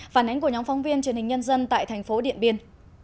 phản ánh của nhóm phóng viên truyền hình nhân dân tại thành phố điện biên